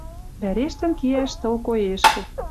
Вӓрештӹн кеӓш тыл коэшкӹ.